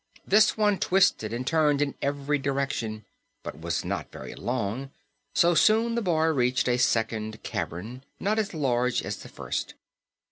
This one twisted and turned in every direction but was not very long, so soon the boy reached a second cavern, not so large as the first.